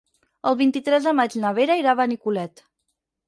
El vint-i-tres de maig na Vera irà a Benicolet.